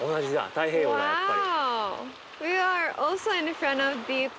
太平洋だやっぱり。